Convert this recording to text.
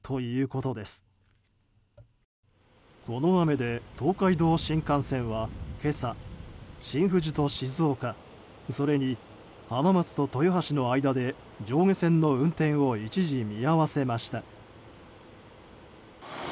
この雨で東海道新幹線は今朝、新富士と静岡それに浜松と豊橋の間で上下線の運転を一時見合わせました。